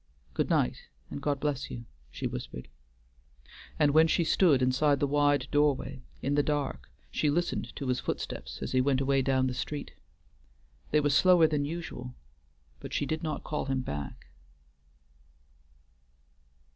Good night, and God bless you," she whispered; and when she stood inside the wide doorway, in the dark, she listened to his footsteps as he went away down the street. They were slower than usual, but she did not call him back.